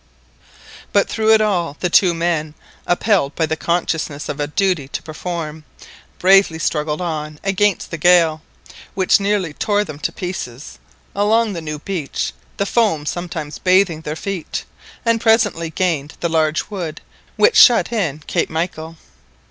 But through it all the two men, upheld by the consciousness of a duty to perform, bravely struggled on against the gale, which nearly tore them to pieces, along the new beach, the foam sometimes bathing their feet, and presently gained the large wood which shut in Cape Michael.